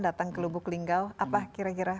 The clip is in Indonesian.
datang ke lubuk linggau apa kira kira